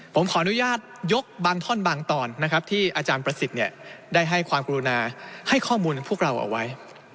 ผมขออนุญาตยกบางท่อนบางตอนนะครับที่อาจารย์ประสิทธิ์ได้ให้ความกรุณาให้ข้อมูลพวกเราเอาไว้